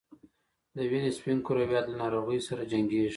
د وینې سپین کرویات له ناروغیو سره جنګیږي